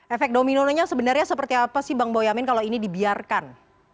efek dominonya sebenarnya seperti apa sih bang boyamin kalau ini dibiarkan